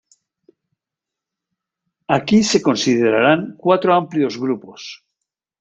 Aquí se considerarán cuatro amplios grupos.